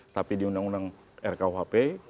tapi di undang undang rkuhp